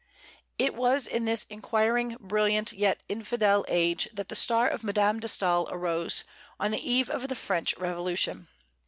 It was in this inquiring, brilliant, yet infidel age that the star of Madame de Staël arose, on the eve of the French Revolution.